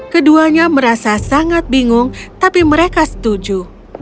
keduanya merasa sangat bingung tapi mereka setuju